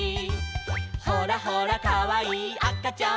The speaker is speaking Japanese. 「ほらほらかわいいあかちゃんも」